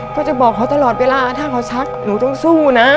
ก็จะบอกเขาตลอดเวลาถ้าเขาชักหนูต้องสู้นะ